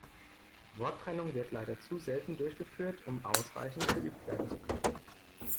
Worttrennung wird leider zu selten durchgeführt, um ausreichend geübt werden zu können.